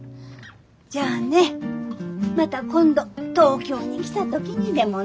じゃあねまた今度東京に来た時にでもね。